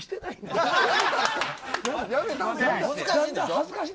恥ずかしい。